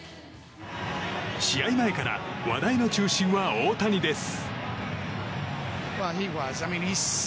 試合前から話題の中心は大谷です。